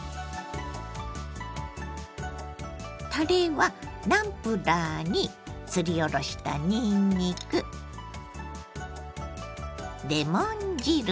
たれはナムプラーにすりおろしたにんにくレモン汁